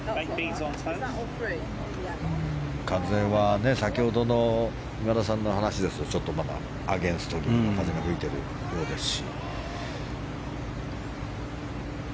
風は先ほどの今田さんの話ですとちょっとまだアゲンスト気味の風が吹いているようですし。